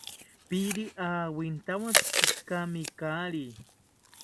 Piiri awintawontzi, pikamikari